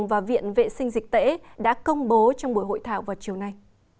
và viện vệ sinh dịch tễ đã công bố trong buổi hội thảo vào chiều nay